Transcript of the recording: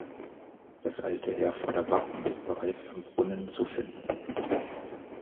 Das alte Herforder Wappen ist bereits am Brunnen zu finden.